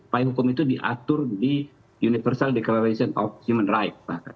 payung hukum itu diatur di universal declaration of human rights